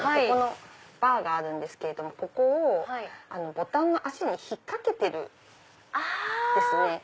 ここのバーがあるんですけれどもここをボタンの足に引っ掛けてるんですね。